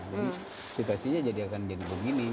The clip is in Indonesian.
jadi situasinya jadi akan jadi begini